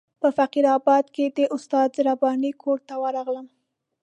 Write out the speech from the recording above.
په فقیر آباد کې د استاد رباني کور ته ورغلم.